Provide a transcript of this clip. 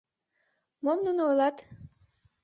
Мом нуно ойлат?!